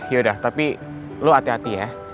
yaudah tapi lu hati hati ya